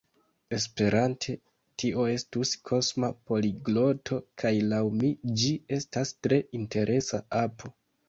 Esperante tio estus Kosma Poligloto kaj laŭ mi ĝi estas tre interesa apo